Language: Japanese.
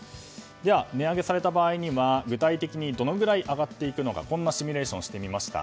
値上げされた場合には具体的にどのくらい上がっていくのかシミュレーションをしてみました。